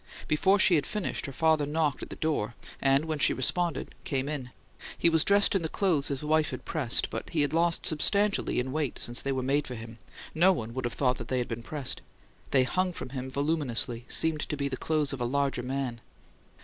Before she had finished, her father knocked at the door, and, when she responded, came in. He was dressed in the clothes his wife had pressed; but he had lost substantially in weight since they were made for him; no one would have thought that they had been pressed. They hung from him voluminously, seeming to be the clothes of a larger man.